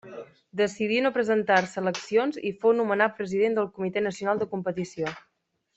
Decidí no presentar-se a eleccions i fou nomenat president del Comitè Nacional de Competició.